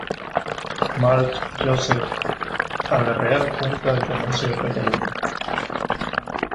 March, Josep, "A la Real Junta de Comercio de Cataluña".